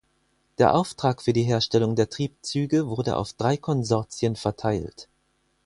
Der Auftrag für die Herstellung der Triebzüge wurde auf drei Konsortien verteilt.